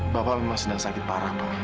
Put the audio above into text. bapak memang sedang sakit parah pak